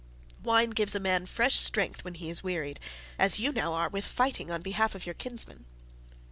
Wine gives a man fresh strength when he is wearied, as you now are with fighting on behalf of your kinsmen."